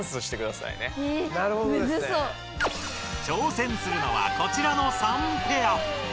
挑戦するのはこちらの３ペア。